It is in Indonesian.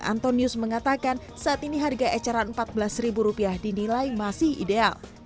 antonius mengatakan saat ini harga eceran rp empat belas dinilai masih ideal